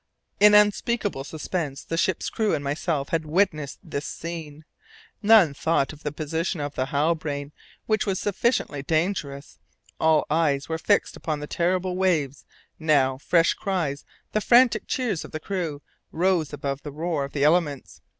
In unspeakable suspense the ship's crew and myself had witnessed this scene. None thought of the position of the Halbrane, which was sufficiently dangerous; all eyes were fixed upon the terrible waves. Now fresh cries, the frantic cheers of the crew, rose above the roar of the elements.